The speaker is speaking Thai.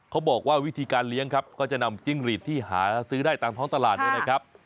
เขาบอกว่าวิธีการเลี้ยงครับก็จะนำจิ้งหลีดที่หาซื้อได้ตามท้องตลาดด้วยนะครับ